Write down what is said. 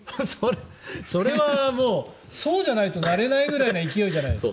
それはもうそうじゃないとなれないぐらいな勢いじゃないですか。